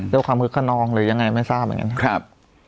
ความคึกขนองหรือยังไงไม่ทราบเหมือนกันครับ